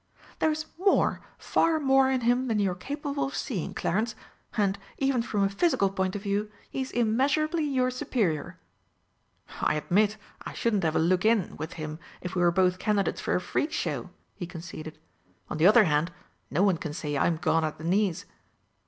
"There is more far more in him than you are capable of seeing, Clarence. And, even from a physical point of view, he is immeasurably your superior." "I admit I shouldn't have a look in with him if we were both candidates for a Freak Show," he conceded. "On the other hand, no one can say I'm gone at the knees."